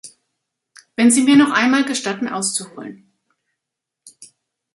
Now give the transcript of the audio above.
Wenn Sie mir noch einmal gestatten auszuholen.